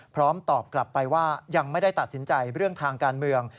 พร้อมตอบกลับไปว่ายังไม่ได้ตัดสินใจเรื่องทางการเมือง